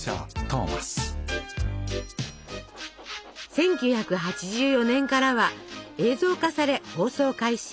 １９８４年からは映像化され放送開始。